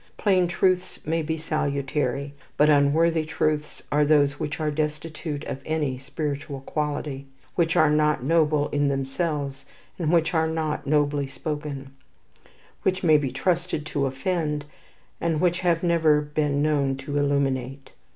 Plain truths may be salutary; but unworthy truths are those which are destitute of any spiritual quality, which are not noble in themselves, and which are not nobly spoken; which may be trusted to offend, and which have never been known to illuminate.